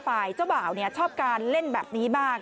ฝ่ายเจ้าบ่าวชอบการเล่นแบบนี้มาก